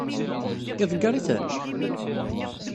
Iḍeggeṛ-iten?